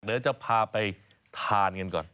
เดี๋ยวจะพาไปทานกันก่อน